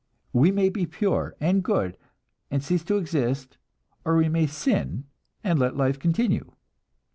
We may be pure and good, and cease to exist; or we may sin, and let life continue.